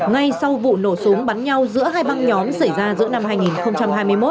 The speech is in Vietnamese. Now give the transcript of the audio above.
ngay sau vụ nổ súng bắn nhau giữa hai băng nhóm xảy ra giữa năm hai nghìn hai mươi một